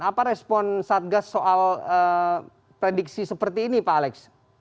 apa respon satgas soal prediksi seperti ini pak alex